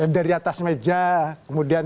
dari atas meja kemudian